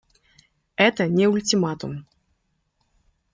Это не ультиматум.